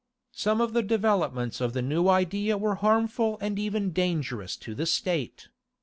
Some of the developments of the new idea were harmful and even dangerous to the State.